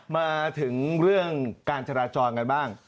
มาถึงเรื่องการจราจรกันบ้าง